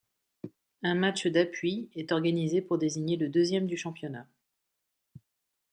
Un match d’appui est organisé pour désigner le deuxième du championnat.